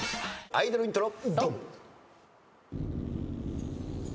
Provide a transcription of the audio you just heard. アイドルイントロ。